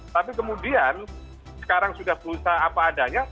tapi kemudian sekarang sudah berusaha apa adanya